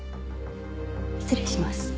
失礼します。